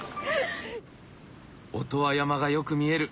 音羽山がよく見える。